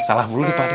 salah mulu deh pakde